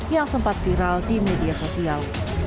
yang sempat viral di media sosial